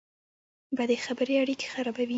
بدې خبرې اړیکې خرابوي